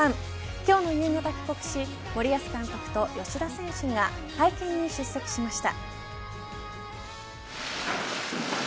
今日の夕方帰国し森保監督と吉田選手が会見に出席しました。